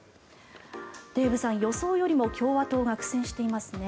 デーブさん、予想よりも共和党が苦戦していますね。